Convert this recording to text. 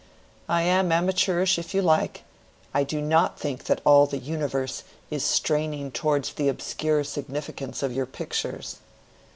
I am amateurish if you like: I do not think that all the universe is straining towards the obscure significance of your pictures."